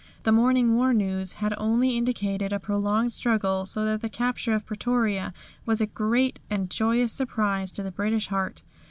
The morning war news had only indicated a prolonged struggle, so that the capture of Pretoria was a great and joyous surprise to the British heart.